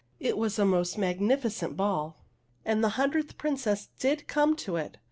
It was a most magnificent ball ; and the hundredth Princess did come to it.